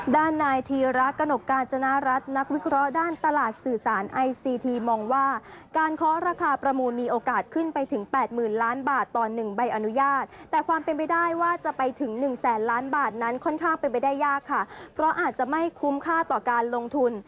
ด้านนายธีระกนกกาญจนรัฐนักวิเคราะห์ด้านตลาดสื่อสารไอซีทีมองว่าการเคาะราคาประมูลมีโอกาสขึ้นไปถึงแปดหมื่นล้านบาทต่อ๑ใบอนุญาตแต่ความเป็นไปได้ว่าจะไปถึงหนึ่งแสนล้านบาทนั้นค่อนข้างเป็นไปได้ยากค่ะเพราะอาจจะไม่คุ้มค่าต่อการลงทุน